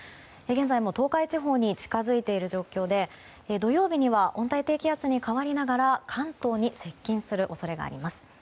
現在も東海地方に近づいている状況で土曜日には温帯低気圧に変わりながら関東に接近する恐れがあります。